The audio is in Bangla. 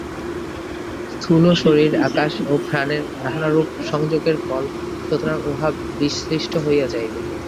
স্থূল শরীর আকাশ ও প্রাণের নানারূপ সংযোগের ফল, সুতরাং উহা বিশ্লিষ্ট হইয়া যাইবে।